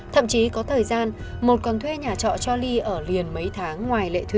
thậm chí có thời gian một còn thuê nhà trọ cho ly ở liền mấy tháng